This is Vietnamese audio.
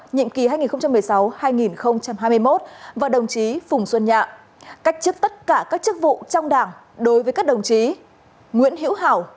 nhiệm kỳ hai nghìn một mươi sáu hai nghìn hai mươi một và đồng chí phùng xuân nhạ cách chức tất cả các chức vụ trong đảng đối với các đồng chí nguyễn hữu hảo